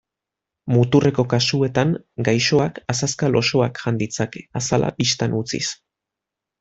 Muturreko kasuetan gaixoak azazkal osoak jan ditzake, azala bistan utziz.